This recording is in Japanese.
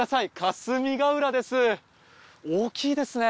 大きいですね。